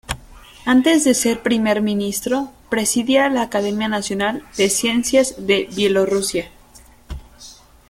Antes de ser primer ministro presidía la Academia Nacional de Ciencia de Bielorrusia.